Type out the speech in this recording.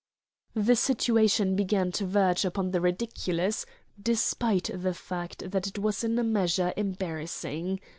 The situation began to verge upon the ridiculous, despite the fact that it was in a measure embarrassing.